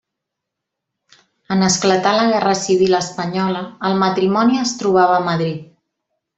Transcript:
En esclatar la guerra civil espanyola, el matrimoni es trobava a Madrid.